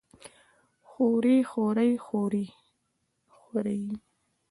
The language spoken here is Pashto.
خوري خورۍ خورې؟